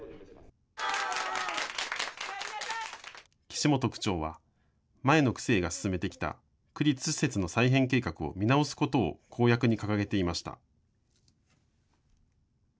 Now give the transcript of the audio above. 岸本区長は前の区政が進めてきた区立施設の再編計画を見直すことを公約に掲げていました。